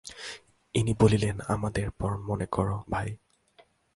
ইনি বলিলেন, আমাদের পর মনে কর, ভাই!